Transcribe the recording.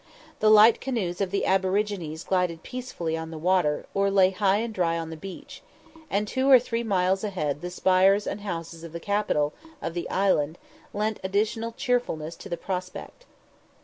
The light canoes of the aborigines glided gracefully on the water, or lay high and dry on the beach; and two or three miles ahead the spires and houses of the capital of the island lent additional cheerfulness to the prospect.